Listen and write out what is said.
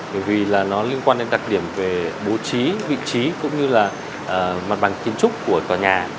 bởi vì là nó liên quan đến đặc điểm về bố trí vị trí cũng như là mặt bằng kiến trúc của tòa nhà